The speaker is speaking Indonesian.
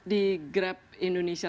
di grab indonesia